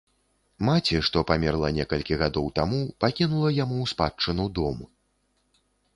Маці, што памерла некалькі гадоў таму, пакінула яму ў спадчыну дом.